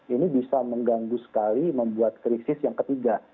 ini bisa mengganggu sekali membuat krisis yang ketiga